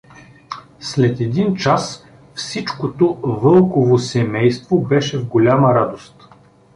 След един час всичкото Вълково семейство беше в голяма радост.